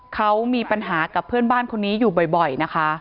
เขามีปัญหากับเพื่อนบ้านคนนี้อยู่บ่อยนะคะ